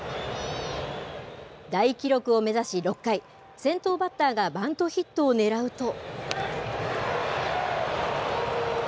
大記録を目指し６回、先頭バッターがバントヒットをねらうと。